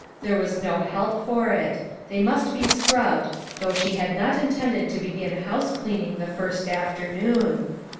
There was no help for it; they must be scrubbed, though she had not in tended to begin housecleaning the first after noon.